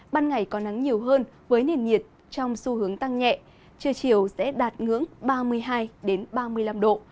ban ngày có nắng nhiều hơn với nền nhiệt trong xu hướng tăng nhẹ trưa chiều sẽ đạt ngưỡng ba mươi hai ba mươi năm độ